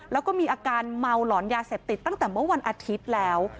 แล้วก็มีอาการเมาหลอนยาเสพติดตั้งแต่เมื่อวันอาทิตย์แล้ว